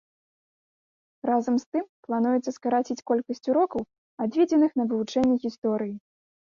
Разам з тым, плануецца скараціць колькасць урокаў, адведзеных на вывучэнне гісторыі.